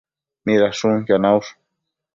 Midashunquio naush?